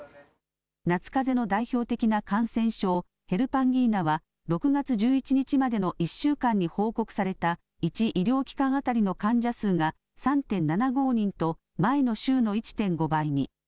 夏かぜの代表的な感染症、ヘルパンギーナは、６月１１日までの１週間に報告された１医療機関当たりの患者数が３．７５人と、前の週の１．５倍に。